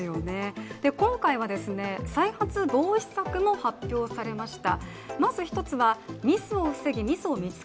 今回は再発防止策も発表されました。